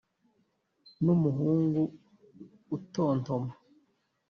n'umuhungu utontoma.